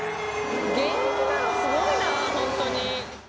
「現役なのすごいな本当に」